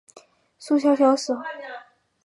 苏小小死后葬于西湖西泠桥畔。